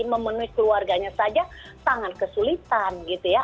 memenuhi keluarganya saja sangat kesulitan gitu ya